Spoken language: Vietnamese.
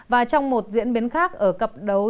và trong một diễn biến khác ở cặp đấu